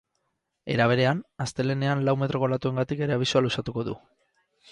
Era berean, astelehenean lau metroko olatuengatik ere abisua luzatuko du.